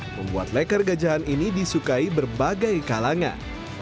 membuat leker gajahan ini disukai berbagai kalangan